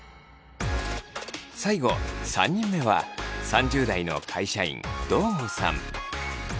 最後３人目は３０代の会社員堂後さん。